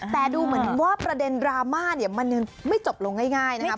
แต่ดูเหมือนว่าประเด็นดราม่าเนี่ยมันยังไม่จบลงง่ายนะครับ